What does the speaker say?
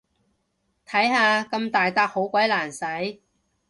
睇下，咁大撻好鬼難洗